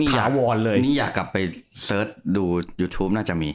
ถาวรเลยนี่อยากกลับไปเสิร์ชดูยูทูปน่าจะมี